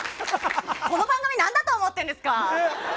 この番組何だと思ってるんですか！